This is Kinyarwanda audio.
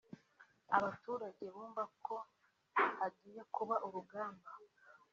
abaturage bumvako hagiye kuba urugamba